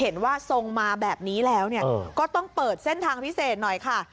ทรงมาแบบนี้แล้วก็ต้องเปิดเส้นทางพิเศษหน่อยค่ะ